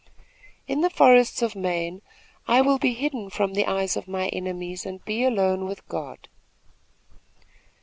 "In the forests of Maine, I will be hidden from the eyes of my enemies and be alone with God."